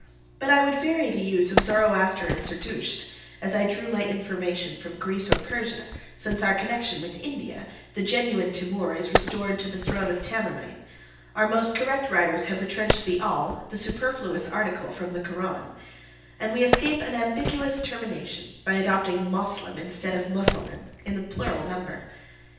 But I would vary the use of Zoroaster and Zerdusht, as I drew my information from Greece or Persia: since our connection with India, the genuine Timour is restored to the throne of Tamerlane: our most correct writers have retrenched the Al, the superfluous article, from the Koran; and we escape an ambiguous termination, by adopting Moslem instead of Musulman, in the plural number.